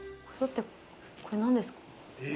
これ何ですか？